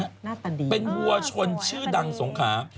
หน้าตาดีเป็นวัวชนชื่อดังสงขา